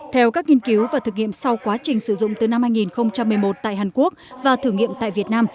theo các nghiên cứu và thực nghiệm sau quá trình sử dụng từ năm hai nghìn một mươi một tại hàn quốc và thử nghiệm tại việt nam